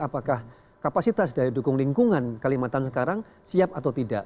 apakah kapasitas daya dukung lingkungan kalimantan sekarang siap atau tidak